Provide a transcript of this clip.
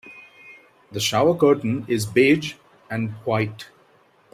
The shower curtain is beige and white.